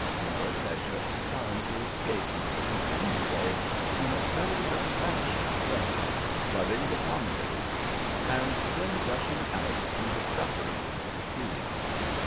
Morris had just time to escape into the companion way when it fell with a crash on the deck, flooding the promenade, and then rushing out through the scuppers into the sea.